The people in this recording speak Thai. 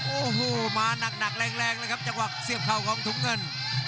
โอ้โหมาหนักแรงเลยครับจังหวะเสียบเข่าของถุงเงิน